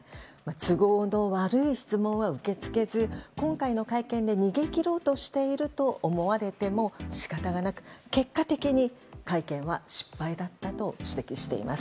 都合の悪い質問は受け付けず今回の会見で逃げ切ろうとしていると思われても仕方がなく結果的に会見は失敗だったと指摘しています。